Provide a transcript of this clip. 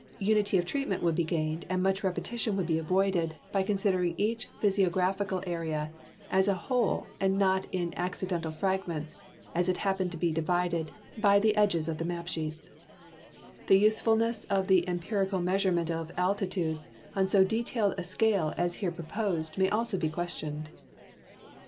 Unity of treat ment would be gained and much repetition would be avoided by considering each physiographical area as a whole and not in acci dental fragments as it happens to be divided by the edges of the 208 GEOGRAPHIC DESCRIPTION OF THE BRITISH ISLANDS 209 map sheets. The usefulness of the empirical measurement of altitudes on so detailed a scale as here proposed may also be questioned.